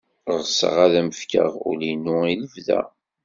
Ɣseɣ ad am-fkeɣ ul-inu i lebda.